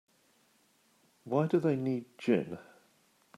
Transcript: Why do they need gin?